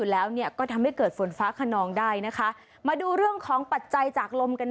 ฮัลโหลฮัลโหลฮัลโหลฮัลโหลฮัลโหล